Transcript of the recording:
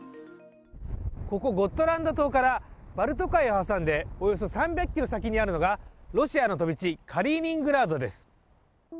ここゴットランド島からバルト海を挟んでおよそ３００ｋｍ先にあるのがロシアの飛び地、カリーニングラードです。